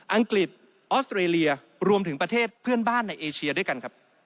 อังกฤษออสเตรเลียรวมถึงประเทศเพื่อนบ้านในเอเชียด้วยกันครับ